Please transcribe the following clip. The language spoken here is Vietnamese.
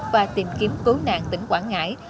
và tìm kiếm cứu nạn tỉnh quảng ngãi